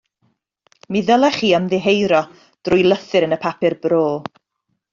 Mi ddylech chi ymddiheuro drwy lythyr yn y papur bro